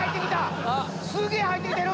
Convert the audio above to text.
すげぇ入って来てる！